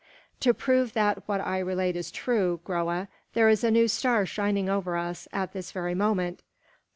To prove that what I relate is true, Groa, there is the new star shining over us at this very moment.